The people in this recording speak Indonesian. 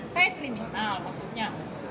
saya kriminal maksudnya